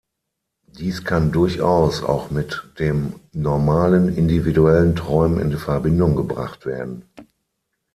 Dies kann durchaus auch mit dem "normalen", individuellen Träumen in Verbindung gebracht werden.